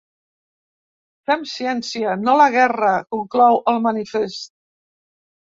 Fem ciència, no la guerra!, conclou el manifest.